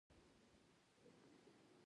هغې د نازک رڼا په اړه خوږه موسکا هم وکړه.